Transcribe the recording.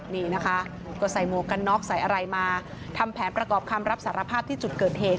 นี่นะคะก็ใส่หมวกกันน็อกใส่อะไรมาทำแผนประกอบคำรับสารภาพที่จุดเกิดเหตุ